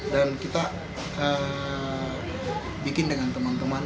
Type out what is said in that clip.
dan kita membuat dengan teman teman